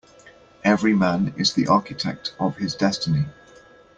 Every man is the architect of his destiny.